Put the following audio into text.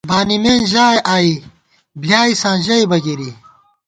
بانِمېن ژائی آئی بۡلیائیساں ژَئیبہ گِرِی